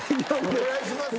お願いします！